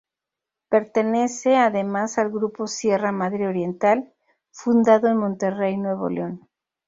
Pertenece, además, al grupo Sierra Madre Oriental, fundado en Monterrey, Nuevo León.